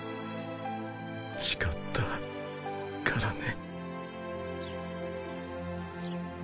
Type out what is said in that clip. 誓ったからね。